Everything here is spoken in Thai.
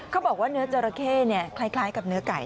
เขาบอกว่าเนื้อจราเข้คล้ายกับเนื้อไก่